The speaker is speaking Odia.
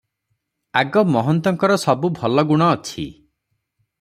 ଆଗ ମହନ୍ତଙ୍କର ସବୁ ଭଲ ଗୁଣ ଅଛି ।